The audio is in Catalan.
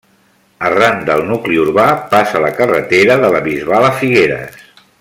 Arran del nucli urbà passa la carretera de la Bisbal a Figueres.